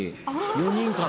４人から。